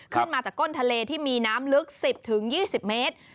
ขึ้นมาจากก้นทะเลที่มีน้ำลึก๑๐๒๐เมตร